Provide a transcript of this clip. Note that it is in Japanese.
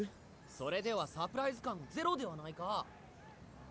それではサプライズ感ゼロではないか。